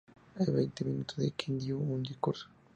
En veinte minutos King dio un discurso.